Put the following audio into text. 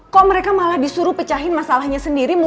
kok mereka malah disuruh pecahin masalahnya sendiri